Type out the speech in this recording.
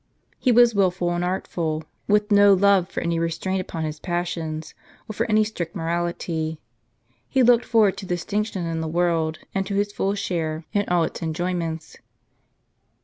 He was wilful and artful, with no love for any restraint upon his passions, or for any strict morality. He looked forward to distinction in the world, and to his full share in all its enjoyments.